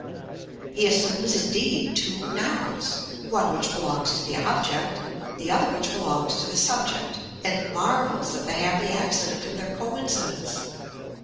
He assumes indeed two nows—one which belongs to the object, the other which belongs to the subject, and marvels at the happy accident of their coincidence.